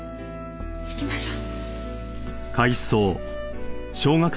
行きましょう。